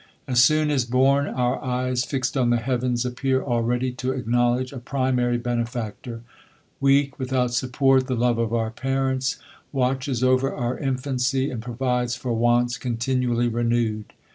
As soon as born, our eyes, fixed on the heavens, appear already to acknowledge a primary Benefactor; Weak, without support, the love of our parents watches over our infancy, and provides for wyants continually renewed.